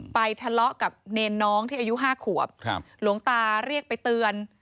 ทะเลาะกับเนรน้องที่อายุ๕ขวบหลวงตาเรียกไปเตือน